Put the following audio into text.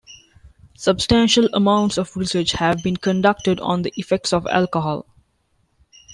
Substantial amounts of research have been conducted on the effects of alcohol.